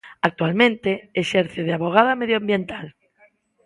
Actualmente, exerce de avogada medioambiental.